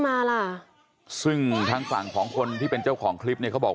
มาล่ะซึ่งทางฝั่งของคนที่เป็นเจ้าของคลิปเนี่ยเขาบอก